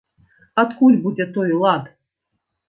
Адкуль будзе той лад?